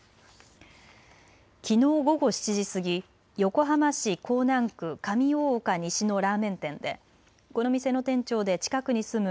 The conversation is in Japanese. きのう午後７時過ぎ横浜市港南区上大岡西のラーメン店でこの店の店長で近くに住む